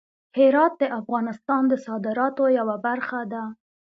هرات د افغانستان د صادراتو یوه برخه ده.